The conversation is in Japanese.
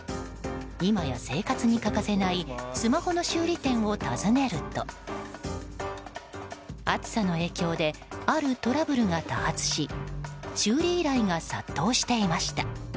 今や生活に欠かせないスマホの修理店を訪ねると暑さの影響であるトラブルが多発し修理依頼が殺到していました。